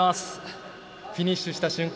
フィニッシュした瞬間